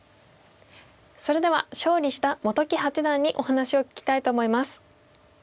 それでは勝利した本木八段にお話を聞きたいと思います。